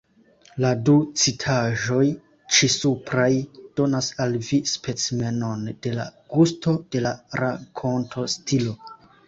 La du citaĵoj ĉisupraj donas al vi specimenon de la gusto de la rakontostilo.